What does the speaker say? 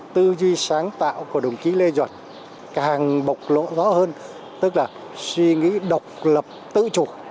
tư duy sáng tạo của đồng chí lê duẩn càng bộc lộ rõ hơn tức là suy nghĩ độc lập tự chủ